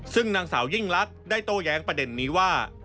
ซึ่งนางสาวยิ่งลักษณ์ได้โต้แย้งประเด็นนี้ว่า